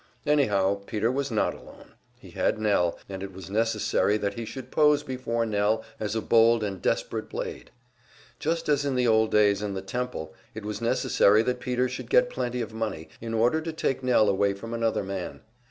Anyhow, Peter was not alone; he had Nell, and it was necessary that he should pose before Nell as a bold and desperate blade. Just as in the old days in the Temple, it was necessary that Peter should get plenty of money, in order to take Nell away from another man.